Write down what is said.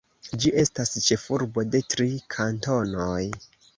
Ĝi estas ĉefurbo de tri kantonoj.